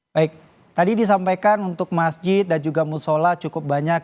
baik tadi disampaikan untuk masjid dan juga musola cukup banyak